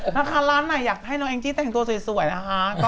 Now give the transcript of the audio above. ร้านไหนอยากให้น้องแองจี้แต่งตัวสวยนะคะ